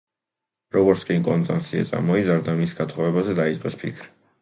როგორც კი კონსტანსია წამოიზარდა მის გათხოვებაზე დაიწყეს ფიქრი.